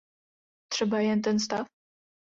Třeba jen ten stav?